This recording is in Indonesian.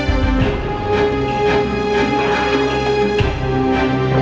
sudah biar aku aja